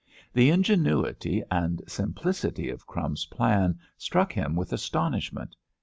The ingenuity and simplicity of "Crumbs's" plan struck him with astonishment.